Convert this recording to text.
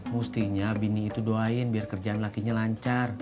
mestinya bini itu doain biar kerjaan lakinya lancar